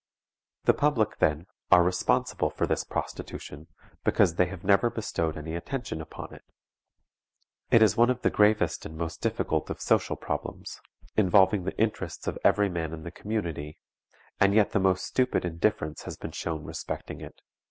The public, then, are responsible for this prostitution, because they have never bestowed any attention upon it. It is one of the gravest and most difficult of social problems, involving the interests of every man in the community, and yet the most stupid indifference has been shown respecting it.